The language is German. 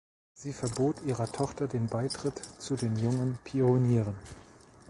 Sie verbot ihrer Tochter den Beitritt zu den Jungen Pionieren.